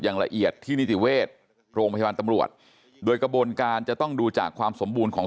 อย่างละเอียดที่นิติเวชโรงพยาบาลตำรวจโดยกระบวนการจะต้องดูจากความสมบูรณ์ของ